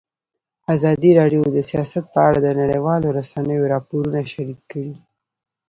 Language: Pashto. ازادي راډیو د سیاست په اړه د نړیوالو رسنیو راپورونه شریک کړي.